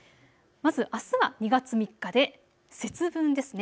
まずあすは２月３日で節分ですね。